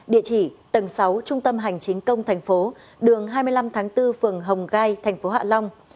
địa chỉ tầng sáu trung tâm hành chính công tp đường hai mươi năm tháng bốn phường hồng gai tp hạ long